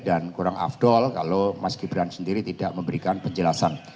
dan kurang afdol kalau mas gibran sendiri tidak memberikan penjelasan